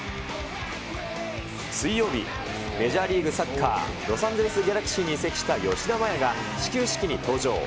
水曜日、メジャーリーグサッカー・ロサンゼルス・ギャラクシーに移籍した吉田麻也が始球式に登場。